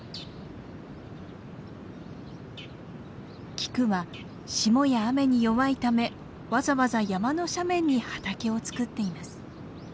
菊は霜や雨に弱いためわざわざ山の斜面に畑を作っています。